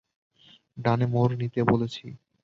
ডানে মোড় নিতে বলেছি।